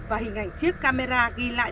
và hình ảnh chiếc camera ghi lại